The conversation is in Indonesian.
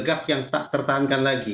dan juga berdegak yang tak tertahankan lagi